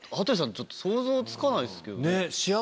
ちょっと想像つかないですけど。